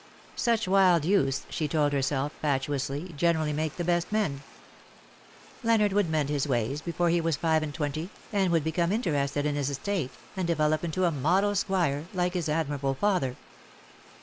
Such wild youths, she told herself, fatuously, generally make the best men. THE DAYS THAT ARE NO MORE. 19 Leonard would mend his ways before lie was five and twenty, and would become interested in his estate, and develop into a model Squire, like his admirable father.